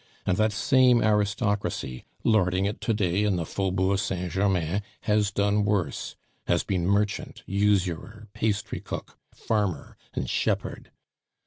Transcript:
And that same aristocracy, lording it to day in the Faubourg Saint Germain, has done worse has been merchant, usurer, pastry cook, farmer, and shepherd.